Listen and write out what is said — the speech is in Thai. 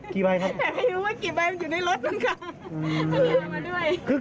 กี่ใบครับฮัยไม่รู้ว่ากี่ใบอยู่ในรถทั้งคา